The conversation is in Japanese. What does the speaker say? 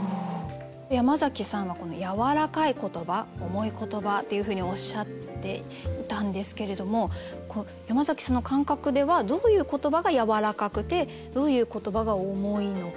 山崎さんは「やわらかい言葉」「重い言葉」っていうふうにおっしゃっていたんですけれども山崎さんの感覚ではどういう言葉がやわらかくてどういう言葉が重いのか。